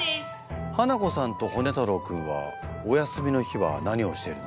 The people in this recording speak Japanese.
ハナコさんとホネ太郎君はお休みの日は何をしているの？